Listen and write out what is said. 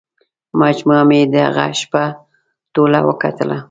مجموعه مې په دغه شپه ټوله وکتله.